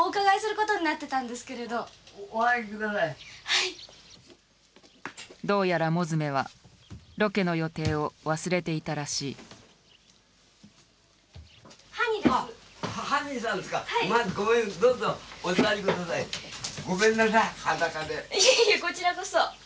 いえいえこちらこそ。